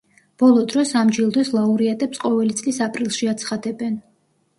ბოლო დროს ამ ჯილდოს ლაურეატებს ყოველი წლის აპრილში აცხადებენ.